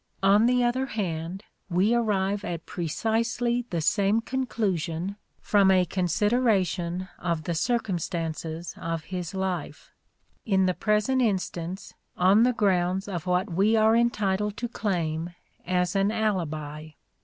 On the other hand we arrive at precisely the same conclusion from a consideration of the circumstances of his life : in the present instance on the grounds of what we are entitled to claim as an alibi.